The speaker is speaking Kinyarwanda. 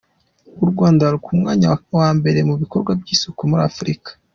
U Rwanda ku mwanya wa mbere mu bikorwa by’isuku muri Afurika